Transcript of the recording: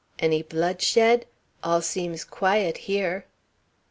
Any blood shed? All seems quiet here."